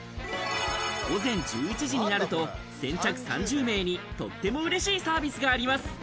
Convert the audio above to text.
午前１１時になると先着３０名にとってもうれしいサービスがあります。